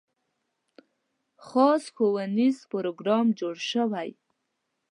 خاص ښوونیز پروګرام جوړ شوی.